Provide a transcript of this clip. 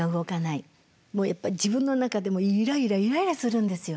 もうやっぱ自分の中でもイライライライラするんですよ。